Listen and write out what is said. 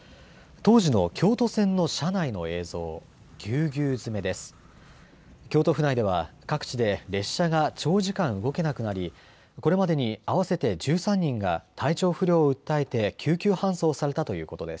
当時の京都線の車内の映像ぎゅうぎゅう詰めです。